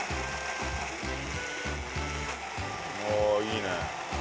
おおいいね。